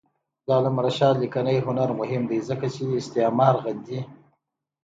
د علامه رشاد لیکنی هنر مهم دی ځکه چې استعمار غندي.